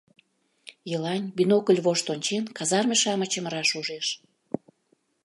Елань, бинокль вошт ончен, казарме-шамычым раш ужеш.